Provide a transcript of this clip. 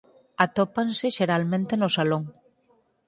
Atópanse xeralmente no salón.